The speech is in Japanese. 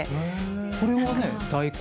これは大根？